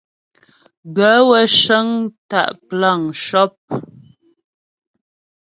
Gaə̂ wə́ cə́ŋ tá' plan shɔ́p.